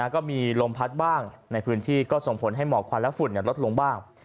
ก็มีลมพัดบ้างในพื้นที่ก็ส่งผลให้หมอกควันและฝุ่นลดลงบ้าง